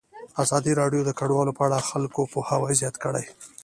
ازادي راډیو د کډوال په اړه د خلکو پوهاوی زیات کړی.